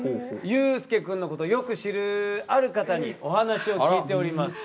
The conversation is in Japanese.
ユースケ君のことをよく知るある方にお話を聞いております。